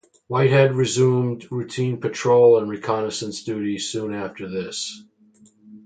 "Whitehead" resumed routine patrol and reconnaissance duty soon after this.